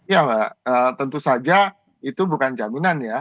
ya mbak tentu saja itu bukan jaminan ya